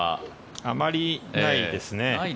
あまりないですね。